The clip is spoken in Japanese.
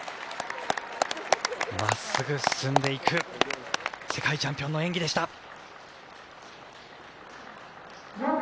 真っすぐ進んでいく世界チャンピオンの演技でした。